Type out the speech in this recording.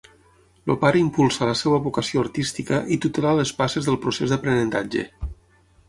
El pare impulsa la seva vocació artística i tutela les passes del procés d'aprenentatge.